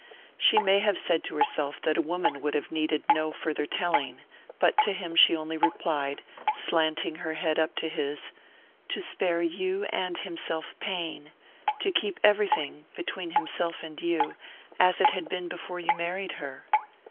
She may have said to herself that a woman would have needed no farther telling; but to him she only replied, slanting her head up to his: "To spare you and himself pain to keep everything, between himself and you, as it had been before you married her."